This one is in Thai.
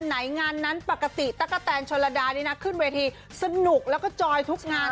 งานนั้นปกติตะกะแตนชนระดานี่นะขึ้นเวทีสนุกแล้วก็จอยทุกงาน